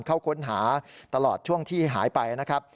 เข้าค้นหาตลอดช่วงที่หายไปนะครับ